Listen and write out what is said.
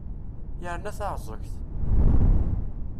Yerna taεẓegt!